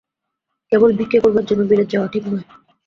কেবল ভিক্ষে করবার জন্যে বিলেত যাওয়া ঠিক নয়।